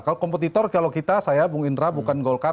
kalau kompetitor kalau kita saya bung indra bukan golkar